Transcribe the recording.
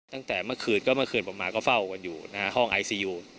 ตั้งแต่เมื่อคืนก็เมื่อคืนผมมาก็เฝ้ากันอยู่นะฮะห้องไอซียู